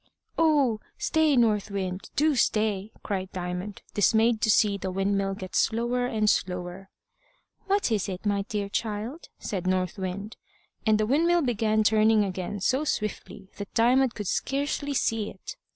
"Oh! stay, North Wind, do stay!" cried Diamond, dismayed to see the windmill get slower and slower. "What is it, my dear child?" said North Wind, and the windmill began turning again so swiftly that Diamond could scarcely see it.